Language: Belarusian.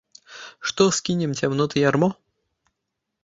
Што скінем цямноты ярмо.